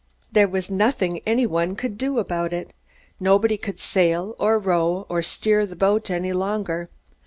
There was nothing anyone could do about it. Nobody could sail or row or steer the boat any longer.